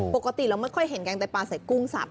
ปกติเราไม่ค่อยเห็นแกงไตปลาใส่กุ้งสับ